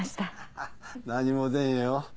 ハハハ何も出んよ。